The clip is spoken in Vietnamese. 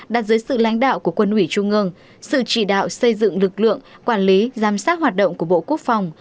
đặt dưới sự lãnh đạo của quân ủy trung ương sự chỉ đạo xây dựng lực lượng quản lý giám sát hoạt động của bộ quốc phòng